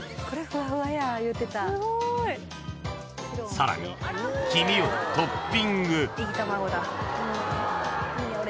［さらに黄身をトッピング］